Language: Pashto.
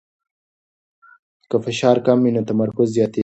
که فشار کم وي نو تمرکز زیاتېږي.